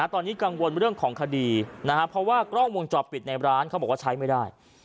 ตอนนี้กังวลเรื่องของคดีนะครับเพราะว่ากล้องวงจอบปิดในร้านเขาบอกว่าใช้ไม่ได้